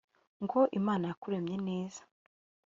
ngo imana yakuremye neza